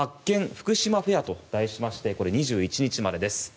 ふくしまフェアと題しまして２１日までです。